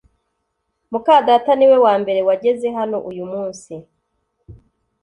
muka data niwe wambere wageze hano uyumunsi